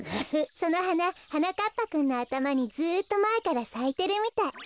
そのはなはなかっぱくんのあたまにずっとまえからさいてるみたい。